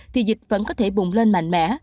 thì dịch vẫn có thể bùng lên mạnh mẽ